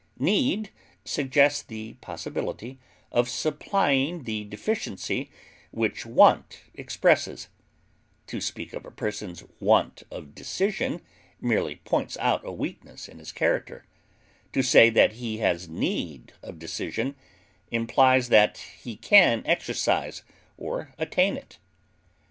Need suggests the possibility of supplying the deficiency which want expresses; to speak of a person's want of decision merely points out a weakness in his character; to say that he has need of decision implies that he can exercise or attain it.